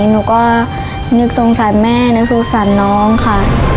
หนูก็นึกจงสั่นแม่นึกสู้สั่นน้องค่ะ